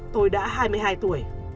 tôi đã hai mươi hai tuổi